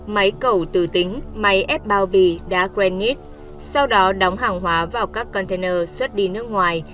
máy cầu tứ tính máy ép bao bì đá granite sau đó đóng hàng hóa vào các container xuất đi nước ngoài